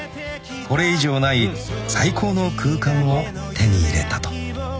［これ以上ない最高の空間を手に入れたと］